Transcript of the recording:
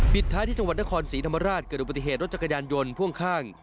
ท้ายที่จังหวัดนครศรีธรรมราชเกิดอุบัติเหตุรถจักรยานยนต์พ่วงข้าง